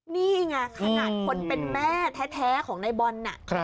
นี่ไงขนาดคนเป็นแม่แท้ของในบอลน่ะ